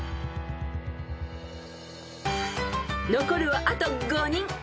［残るはあと５人］